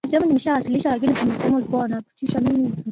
boti za uokoaji zilikuwa haitoshi kuokoa abiria wote